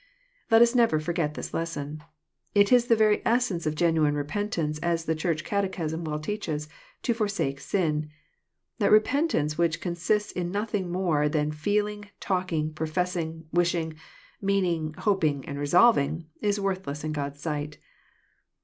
Let us never forget this lesson. It is the very essence of genuine repentance, as the Church catechism well teaches, to "forsake sin." That repentance which consists in nothing more than feeling, talking, professing, wishing, meaning, hoping, and resolving, is worthless in God's sight.